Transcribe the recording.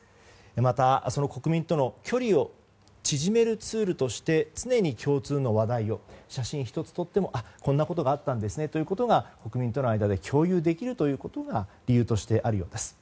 また国民との距離を縮めるツールとして常に共通の話題を写真１つとっても、こんなことがあったんですねということが国民との間で共有できるということが理由としてあるようです。